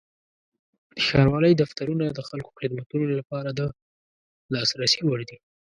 د ښاروالۍ دفترونه د خلکو خدمتونو لپاره د لاسرسي وړ دي.